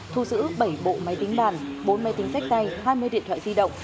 thu giữ bảy bộ máy tính bàn bốn máy tính sách tay hai mươi điện thoại di động